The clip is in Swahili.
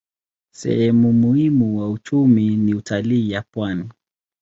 Sehemu muhimu wa uchumi ni utalii ya pwani.